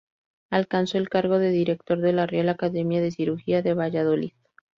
Alcanzó el cargo de director de la "Real Academia de Cirugía" de Valladolid.